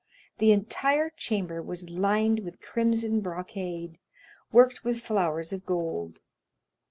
The entire chamber was lined with crimson brocade, worked with flowers of gold.